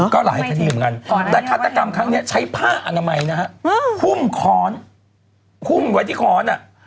ก็หลายคดีเหมือนกันแต่ฆาตกรรมครั้งนี้ใช้ผ้าอนามัยนะฮะหุ้มค้อนหุ้มไว้ที่ค้อนอ่ะ